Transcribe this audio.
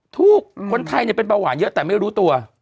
ถูกคนไทยเป็นเบาหวานเยอะแต่ไม่รู้ตัว